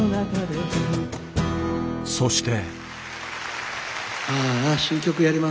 そして。